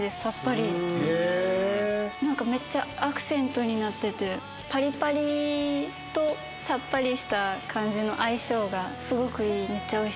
なんかめっちゃ、アクセントになってて、パリパリとさっぱりした感じの相性がすごくいい、めっちゃおいし